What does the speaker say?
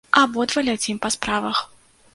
Абодва ляцім па справах.